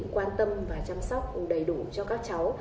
quan tâm và chăm sóc đầy đủ cho các cháu